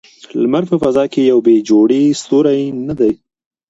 لمر په فضا کې یو بې جوړې ستوری نه دی.